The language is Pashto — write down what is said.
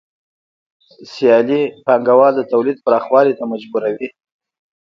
سیالي پانګوال د تولید پراخوالي ته مجبوروي